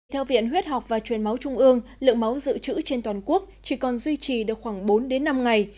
theo viện huyết học và truyền máu trung ương lượng máu dự trữ trên toàn quốc chỉ còn duy trì được khoảng bốn năm ngày